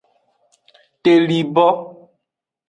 Telibo.